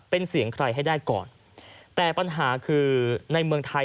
เป็นเสียงใครให้ได้ก่อนแต่ปัญหาคือในเมืองไทย